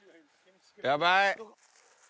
やばい。